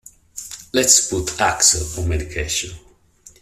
'Let's put Axl on medication.